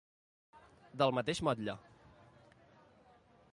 Del mateix motlle.